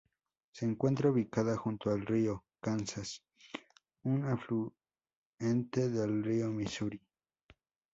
Se encuentra ubicada junto al río Kansas, un afluente del río Misuri.